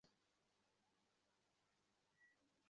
আয় বুঝে ব্যয় কর।